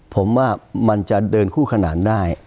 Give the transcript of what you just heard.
ผมว่ามันจะเดินคู่ขนานได้